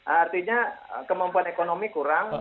artinya kemampuan ekonomi kurang